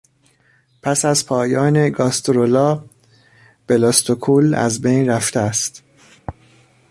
پس از پایان گاسترولا ، بلاستوکول از بین رفته است.